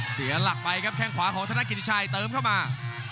เสียหลักไปครับแข้งขวาของธนกิจิชัยเติมเข้ามา